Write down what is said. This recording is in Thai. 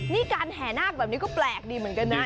นี่การแห่นาคแบบนี้ก็แปลกดีเหมือนกันนะ